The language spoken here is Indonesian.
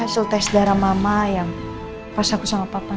ya ini tas darah mama yang pas aku sama papa